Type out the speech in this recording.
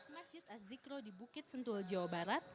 masjid azikro di bukit sentul jawa barat